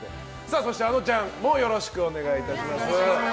そして、あのちゃんもよろしくお願いいたします。